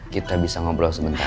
kita bisa ngobrol sebentar